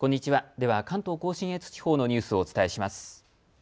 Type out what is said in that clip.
では関東甲信越地方のニュースをお伝えします。